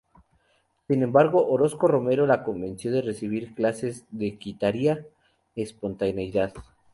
Sin embargo, Orozco Romero la convenció de que recibir clases le quitaría espontaneidad.